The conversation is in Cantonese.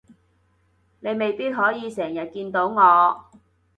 你未必可以成日見到我